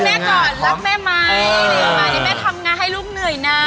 หรือมาให้แม่ทำงานให้ลูกเหนื่อยหน่อย